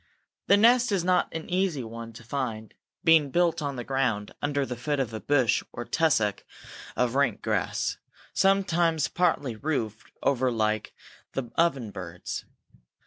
The nest is not an easy one to find, being built on the ground, under the foot of a bush or tussock of rank grass, sometimes partly roofed over like the oven bird's.